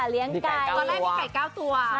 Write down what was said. ตอนแรกมีไก่เก้าตัว